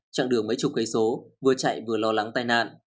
chặng đường mấy chục cây số vừa chạy vừa lo lắng tai nạn